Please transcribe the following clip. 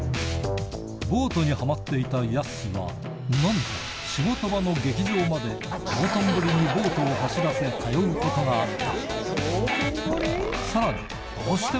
ボートにはまっていたやすしは、なんと仕事場の劇場まで道頓堀にボートを走らせ、通うことがあっ